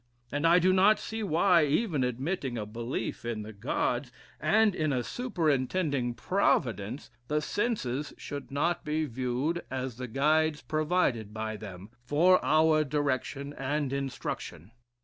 And I do not see why, even admitting a belief in the Gods, and in a superintending Providence, the senses should not be viewed as the guides provided by them, for our direction and instruction.